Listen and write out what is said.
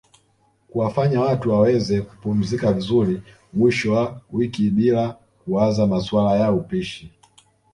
kuwafanya watu waweze kupumzika vizuri mwisho wa wiki bilaa kuwaza masuala ya upishi